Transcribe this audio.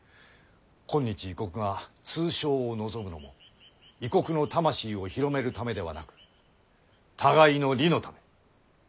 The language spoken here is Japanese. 今日異国が通商を望むのも異国の魂を広めるためではなく互いの利のため。